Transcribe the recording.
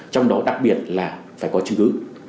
trong đó đặc biệt là phải có chứng cứ